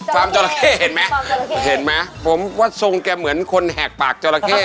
จอลาเคฟาร์มจอลาเคเห็นไหมผมว่าทรงแกเหมือนคนแหกปากจอลาเคอยู่